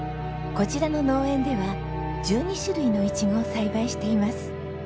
こちらの農園では１２種類のイチゴを栽培しています。